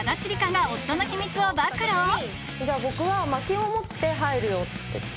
「じゃあ僕は薪を持って入るよ」って言って。